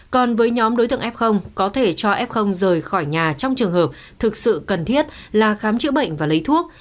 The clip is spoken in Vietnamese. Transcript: còn với nhóm đối tượng f có thể cho f rời khỏi nhà trong trường hợp thực sự cần thiết là khám chữa bệnh và lấy thuốc